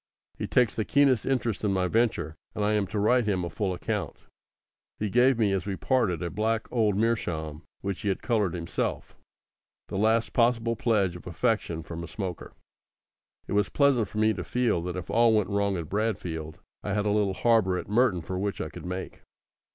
He takes the keenest interest in my venture, and I am to write him a full account. He gave me as we parted a black old meerschaum which he had coloured himself the last possible pledge of affection from a smoker. It was pleasant for me to feel that if all went wrong at Bradfield, I had a little harbour at Merton for which I could make.